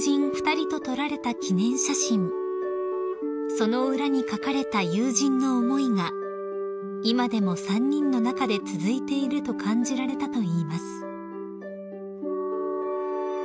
［その裏に書かれた友人の思いが今でも３人の中で続いていると感じられたといいます］